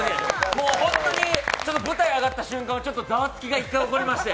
ホントに舞台に上がった瞬間、ざわつきが１回、起こりまして